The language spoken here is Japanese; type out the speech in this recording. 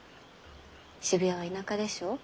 渋谷は田舎でしょ？